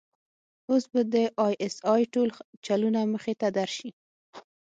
اوس به د آى اس آى ټول چلونه مخې ته درشي.